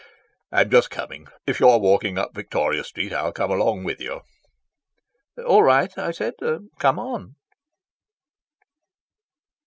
"I'm just coming. If you're walking up Victoria Street, I'll come along with you." "All right," I said. "Come on."